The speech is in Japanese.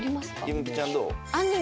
弓木ちゃんどう？